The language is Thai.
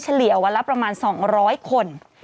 เฉลี่ยวันละประมาณ๒๐๐คน